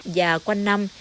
và quanh năm